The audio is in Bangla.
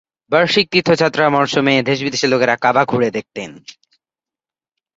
বার্ষিক তীর্থযাত্রা মরসুমে দেশ-বিদেশের লোকেরা কাবা ঘুরে দেখতেন।